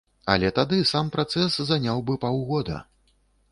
Але тады сам працэс заняў бы паўгода.